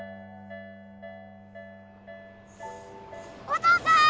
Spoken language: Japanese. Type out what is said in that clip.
お父さーん！